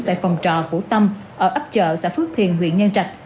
tại phòng trò cổ tâm ở ấp chợ xã phước thiền huyện nhân trạch